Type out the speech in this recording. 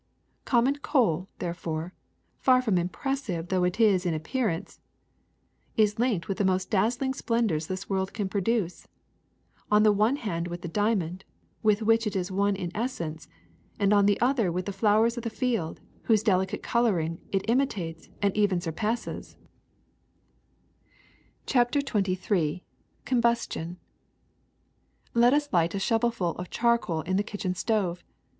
Common coal, therefore, far from im pressive though it is in appearance, is linked with the most dazzling splendors this world can produce: on the one hand with the diamond, with which it is one in essence, and on the other with tho flowers of the field, whose delicate coloring it imitates and even surpasses/^ CHAPTER XXIII COMBUSTION ^' T ET us light a shovelful of charcoal in the kitchen i J stove.